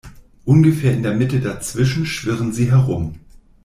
Ungefähr in der Mitte dazwischen schwirren sie herum.